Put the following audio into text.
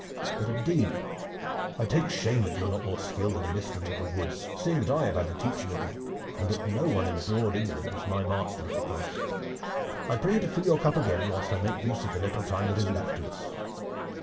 But indeed I take shame that you are not more skilled in the mystery of the woods, seeing that I have had the teaching of you, and that no one in broad England is my master at the craft. I pray you to fill your cup again whilst I make use of the little time that is left to us."